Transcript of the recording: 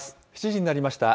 ７時になりました。